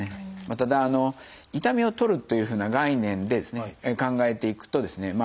ただ痛みを取るというふうな概念で考えていくとですね